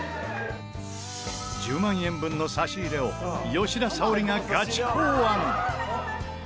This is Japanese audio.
１０万円分の差し入れを吉田沙保里がガチ考案！